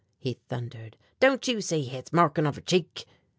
he thundered; "don't you see hit's marking of her cheek?"